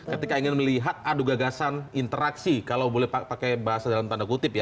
ketika ingin melihat adu gagasan interaksi kalau boleh pakai bahasa dalam tanda kutip ya